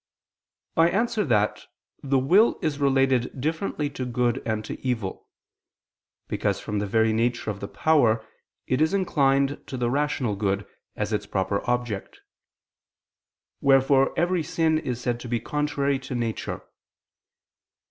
I answer that, The will is related differently to good and to evil. Because from the very nature of the power, it is inclined to the rational good, as its proper object; wherefore every sin is said to be contrary to nature.